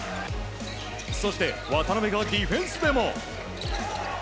そして、渡邊がディフェンスでも。